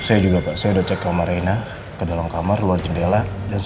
dapat kita menemukan apa apa saya juga saya cek kamar reina kedalam kamar luar jendela dan